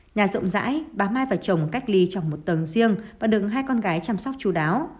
nhà rộng rãi bà mai và chồng cách ly trong một tầng riêng và đừng hai con gái chăm sóc chú đáo